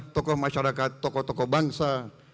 tokoh masyarakat tokoh tokoh bangsa